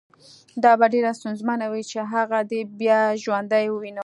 دا به ډېره ستونزمنه وي چې هغه دې بیا ژوندی ووینم